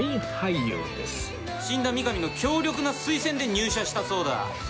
死んだ三上の強力な推薦で入社したそうだ。